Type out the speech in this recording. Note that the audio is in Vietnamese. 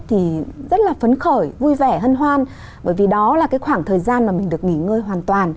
thì rất là phấn khởi vui vẻ hân hoan bởi vì đó là cái khoảng thời gian mà mình được nghỉ ngơi hoàn toàn